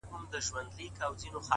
نظم د ګډوډ ژوند درمل دی،